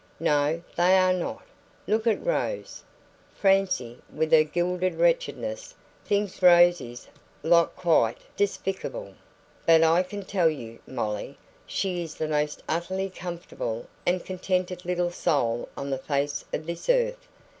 "No, they are not. Look at Rose. Francie, with her gilded wretchedness, thinks Rosie's lot quite despicable; but I can tell you, Molly, she is the most utterly comfortable and contented little soul on the face of this earth.